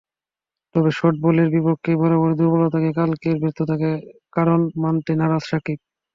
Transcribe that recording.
তবে শর্ট বলের বিপক্ষে বরাবরের দুর্বলতাকে কালকের ব্যর্থতার কারণ মানতে নারাজ সাকিব।